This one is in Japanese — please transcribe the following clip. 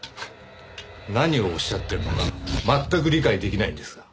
何をおっしゃってるのかまったく理解できないんですが。